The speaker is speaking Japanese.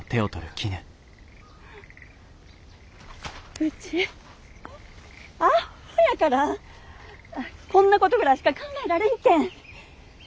ウチアホやからこんなことぐらいしか考えられんけん。